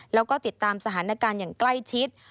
แล้วก็ติดตามสถานการณ์อย่างใกล้ชิด